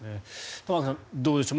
玉川さんどうでしょう。